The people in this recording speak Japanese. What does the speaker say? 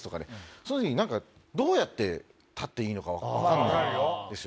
その時にどうやって立っていいのか分かんないんですよ。